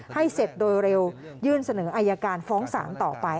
ให้เสร็จโดยเร็วยื่นเสนออายการฟ้องศาลต่อไป